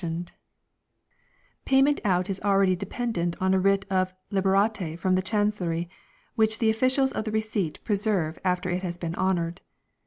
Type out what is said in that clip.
4 u 252 FINANCIAL RECORDS Payment out is already dependent on a writ of "Liberate " from the Chancery, which the Officials of the Receipt preserve after it has been honoured.